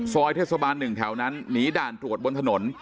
ซอยเทศบาล๑แถวนั้นหนีด่านตรวจบนถนน